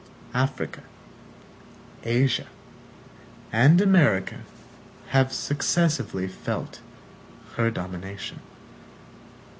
Africa, Asia, and America, have successively felt her domination.